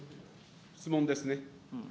質問です。